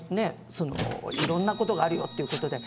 いろんなことがあるよということで。